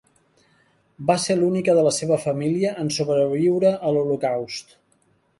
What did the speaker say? Va ser l'única de la seva família en sobreviure a l'Holocaust.